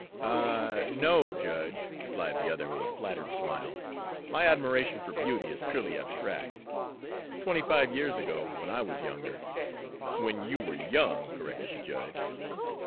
"Ah, no, judge," replied the other, with a flattered smile, "my admiration for beauty is purely abstract. Twenty five years ago, when I was younger" "When you were young," corrected the judge.